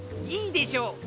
いいでしょう